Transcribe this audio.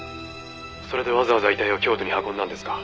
「それでわざわざ遺体を京都に運んだんですか？」